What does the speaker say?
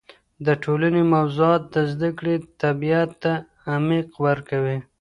د ټولنې موضوعات د زده کړې طبیعت ته عمق ورکوي.